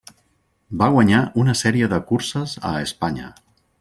Va guanyar una sèrie de curses a Espanya: